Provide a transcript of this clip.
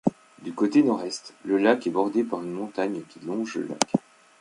Du côté nord-est, le lac est bordé par une montagne qui longe le lac.